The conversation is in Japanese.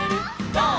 「ゴー！